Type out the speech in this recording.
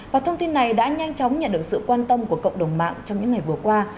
và thông tin này đã nhanh chóng nhận được sự quan tâm của cộng đồng mạng trong những ngày vừa qua